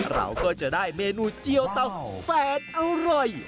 เราก็จะได้เมนูเจียวเตาแฝดอร่อย